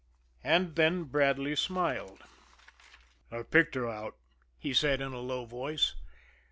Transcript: And then Bradley smiled. "I've picked her out," he said, in a low voice.